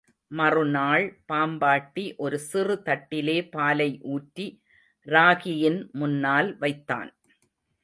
மறுநாள் பாம்பாட்டி ஒரு சிறு தட்டிலே பாலை ஊற்றி ராகியின் முன்னால் வைத்தான்.